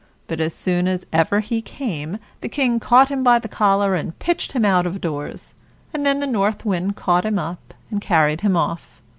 But as soon as ever he came, the King caught him by the collar and pitched him out of doors, and then the North Wind caught him up and carried him off.